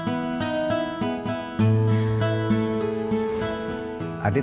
jangan lupa subscribe like share dan komen